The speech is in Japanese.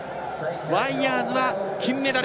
ワイヤーズは金メダル。